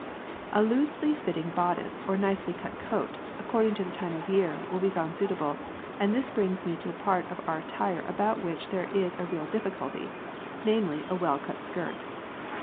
p> A loosely fitting bodice, or nicely cut coat, according to the time of year, will be found suitable, and this brings me to the part of our attire about which there is a real difficulty, namely, a well cut skirt.